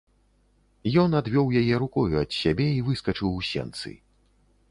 Ён адвёў яе рукою ад сябе і выскачыў у сенцы.